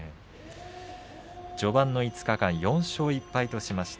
序盤の５日間４勝１敗としました。